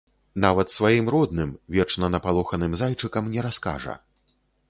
Нават сваім родным, вечна напалоханым зайчыкам не раскажа.